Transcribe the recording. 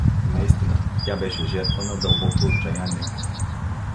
И наистина, тя беше жертва на дълбоко отчаяние.